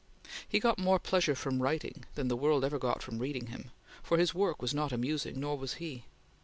He got more pleasure from writing than the world ever got from reading him, for his work was not amusing, nor was he.